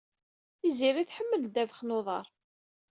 Tiziri tḥemmel ddabex n uḍar.